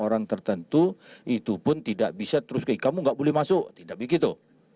orang tertentu itu pun tidak bisa terus ke kamu nggak boleh masuk tidak begitu